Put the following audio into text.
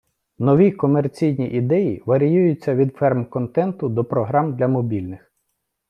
Нові комерційні ідеї варіюються від "ферм контенту" до програм для мобільних.